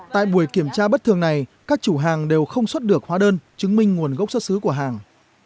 tại buổi kiểm tra bất thường này các chủ hàng đều không xuất được hóa đơn chứng minh nguồn gốc xuất xứ của hàng